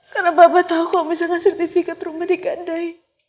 kenapa papa tau kalau misalnya sertifikat rumah di kandai